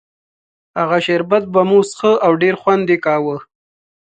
هغه شربت به مو څښه او ډېر خوند یې کاوه.